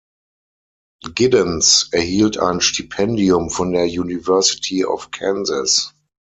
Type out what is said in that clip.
Giddens erhielt ein Stipendium von der University of Kansas.